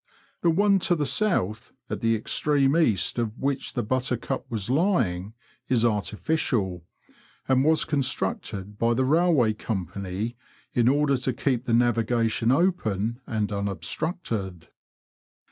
The one to the south, at the extreme east of which the Buttercup was lying, is artificial, and was constructed by the Railway Company in order to keep the navigation open and unob structed.